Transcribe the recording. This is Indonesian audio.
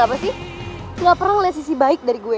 lo tuh kenapa sih ga pernah liat sisi baik dari gue